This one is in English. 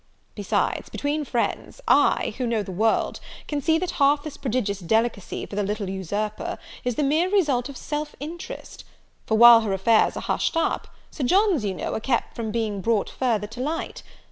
Besides, between friends, I, who know the world, can see that half this prodigious delicacy for the little usurper is the mere result of self interest; for, while her affairs are hushed up, Sir John's, you know, are kept from being brought further to light.